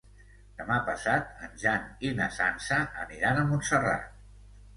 Demà passat en Jan i na Sança aniran a Montserrat.